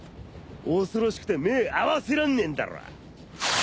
恐ろしくて目合わせらんねえんだろ。